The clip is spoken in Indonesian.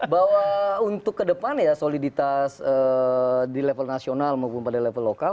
bahwa untuk ke depan ya soliditas di level nasional maupun pada level lokal